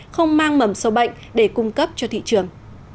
không mang mầm sâu bệnh để cung cấp cho thị trường